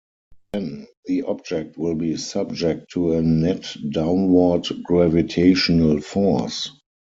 Then the object will be subject to a net downward gravitational force.